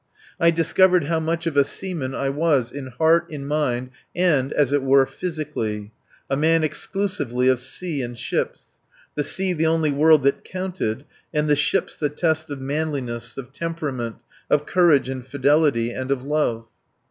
I discovered how much of a seaman I was, in heart, in mind, and, as it were, physically a man exclusively of sea and ships; the sea the only world that counted, and the ships, the test of manliness, of temperament, of courage and fidelity and of love.